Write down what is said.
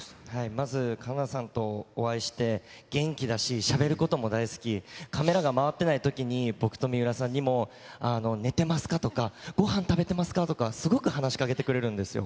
まず、栞奈さんとお会いして、元気だし、しゃべることも大好き、カメラが回ってないときに、僕と水卜さんにもあっ、寝てますか？とか、ごはん食べてますか？とかすごく話しかけてくれるんですよ。